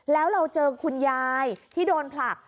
แล้วเราเจอคุณยายที่โดนผลัก